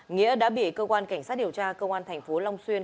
nghĩa đã bị cơ quan cảnh sát điều tra công an thành phố long xuyên